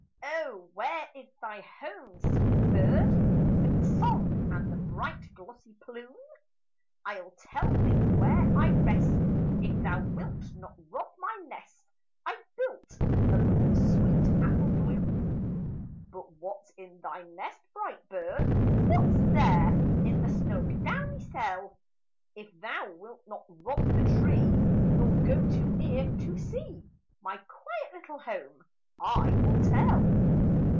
O where is thy home, sweet bird, With the song, and the bright, glossy plume? "I 'll tell thee where I rest, If thou wilt not rob my nest; I built among the sweet apple bloom." But what 's in thy nest, bright bird? What 's there, in the snug, downy cell? "If thou wilt not rob the tree; Nor go too near, to see My quiet little home, I will tell."